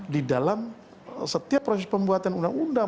di dalam setiap proses pembuatan undang undang